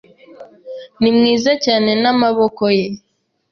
ni mwiza cyane n'amaboko ye.